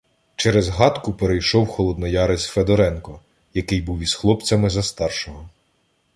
Через гатку перейшов холодноярець Федоренко, який був із хлопцями за старшого.